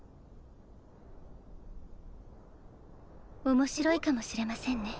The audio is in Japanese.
面白いかもしれませんね